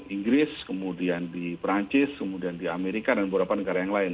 inggris kemudian di perancis kemudian di amerika dan beberapa negara yang lain